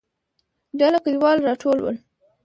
ډله کليوال راټول ول.